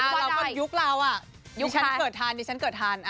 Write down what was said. อ่าเราก็ยุคเราอ่ะดิฉันเกิดทานดิฉันเกิดทาน